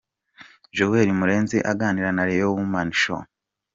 Jolie Murenzi aganira na Real Women Show.